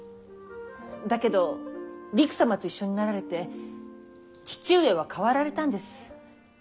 だけどりく様と一緒になられて父上は変わられたんです。